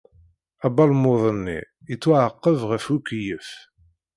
Abalmud-nni yettwaɛaqeb ɣef ukeyyef.